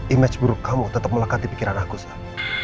image buruk kamu tetap melekat di pikiran aku saya